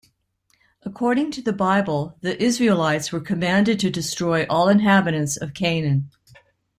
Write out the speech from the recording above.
According to the Bible, the Israelites were commanded to destroy all inhabitants of Canaan.